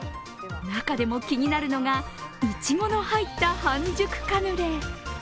中でも気になるのがいちごの入った半熟カヌレ。